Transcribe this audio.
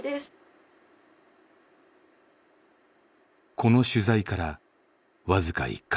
この取材からわずか１カ月後。